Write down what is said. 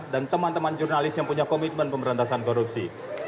dan teman teman jurnalis yang punya komitmen pemberantasan korupsi